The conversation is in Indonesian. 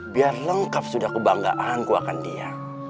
biar lengkap sudah kebanggaanku akan dia